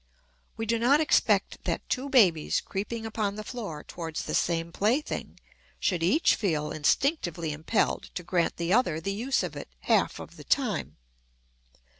We do not expect that two babies creeping upon the floor towards the same plaything should each feel instinctively impelled to grant the other the use of it half of the time.